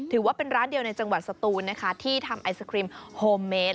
ถือว่าเป็นร้านเดียวในจังหวัดสตูนนะคะที่ทำไอศครีมโฮมเมด